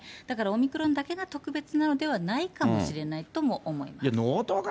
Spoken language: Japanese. だから、オミクロンだけが特別なのではないかもしれないと思います。